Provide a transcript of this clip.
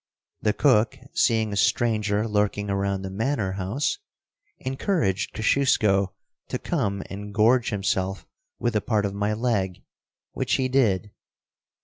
The cook, seeing a stranger lurking around the manor house, encouraged Kosciusko to come and gorge himself with a part of my leg, which he did.